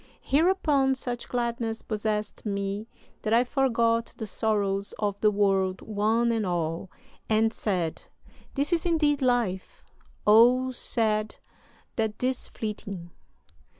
Hereupon such gladness possessed me that I forgot the sorrows of the world one and all, and said: "This is indeed life O sad that 'tis fleeting!'"